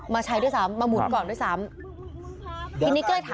มาใช้ด้วยซ้ำมาหมุนก่อนด้วยซ้ำ